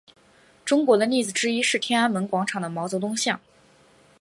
中国的例子之一是天安门广场的毛泽东像。